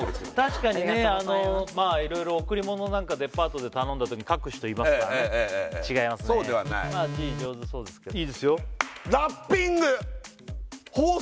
確かにねいろいろ贈り物なんかデパートで頼んだときに書く人いますからねそうではない字上手そうですけど包装！